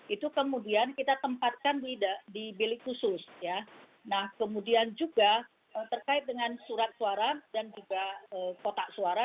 itu kemudian kita tempatkan di bilik khusus ya nah kemudian juga terkait dengan surat suara dan juga kotak suara